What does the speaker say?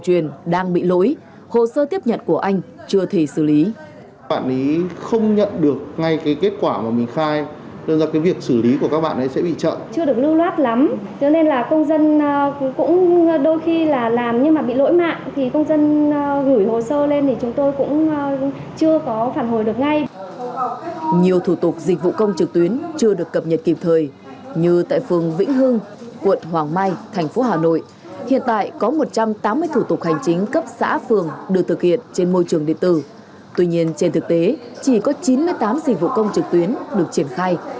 tuy nhiên trên thực tế chỉ có chín mươi tám dịch vụ công trực tuyến được triển khai